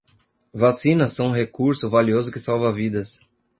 Vacinas são um recurso valioso que salva vidas